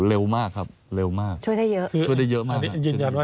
เร็วมากครับช่วยได้เยอะ